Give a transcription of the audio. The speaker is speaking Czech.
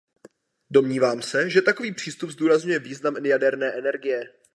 Domnívám se, že takový přístup zdůrazňuje význam jaderné energie.